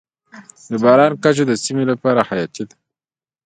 د باران کچه د سیمې لپاره حیاتي ده.